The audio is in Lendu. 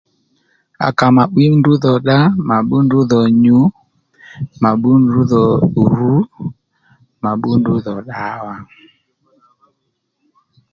À ka mà 'wǐ ndrǔ dhò dda mà bbú ndrǔ dho nyù mà bbú ndrǔ dho rù mà bbú ndrǔ dhò ddǎwà